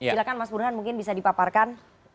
silahkan mas burhan mungkin bisa dipaparkan